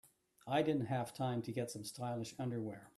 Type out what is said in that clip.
I didn't have time to get some stylish underwear.